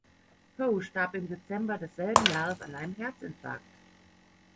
Poe starb im Dezember desselben Jahres an einem Herzinfarkt.